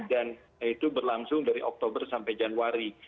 itu berlangsung dari oktober sampai januari